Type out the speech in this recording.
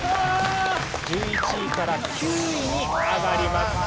１１位から９位に上がります。